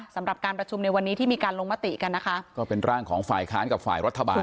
สำหรับการประชุมในวันนี้ที่มีการลงมติกันนะคะก็เป็นร่างของฝ่ายค้านกับฝ่ายรัฐบาล